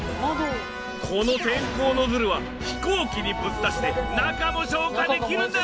この穿孔ノズルは飛行機にぶっ刺して中も消火できるんだ！